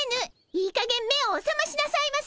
いいかげん目をおさましなさいませ！